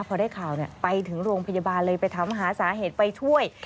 พอได้ข่าวไปถึงโรงพยาบาลเลยไปถามหาสาเหตุไปช่วย